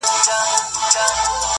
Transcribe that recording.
د شپې نيمي كي.